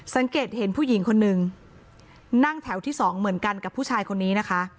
สังเกตเห็นผู้หญิงคนนึงนั่งแถวที่สองเหมือนกันกับผู้ชายคนนี้นะคะ